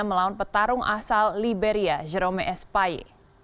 melawan petarung asal liberia jerome espaye